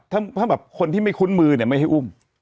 ถ้าแบบคนที่ไม่คุ้นมือเนี่ยไม่ให้อุ้ม